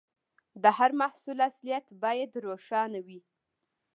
د هر محصول اصليت باید روښانه وي.